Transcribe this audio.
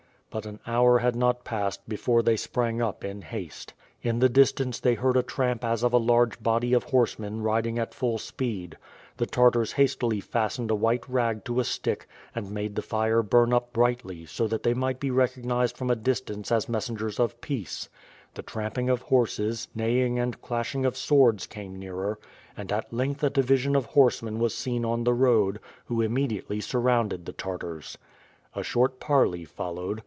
But an hour had not passed before they sprang up in haste. In the distance they heard a tramp as of a large body of horsemen riding at full speed. The Tartars hastily fas WITH FIRE AND SWORD. 207 tened a white .rag to a stick and made the fire burn up brightly, so that they might be recognized from a distance as messengers of peace. The tramping of horses, neighing and clashing of swords came nearer and at length a division of horsemen was seen on the road, who immediately sur rounded the Tartars. A short parley followed.